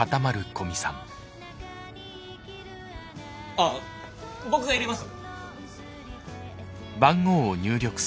あっ僕が入れます。